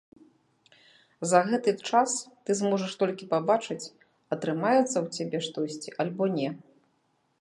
За гэты час ты зможаш толькі пабачыць, атрымаецца ў цябе штосьці альбо не.